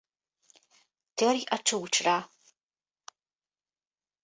Törj a csúcsra!